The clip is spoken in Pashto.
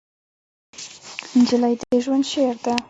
نجلۍ د ژوند شعر ده.